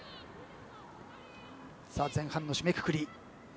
前半の締めくくり。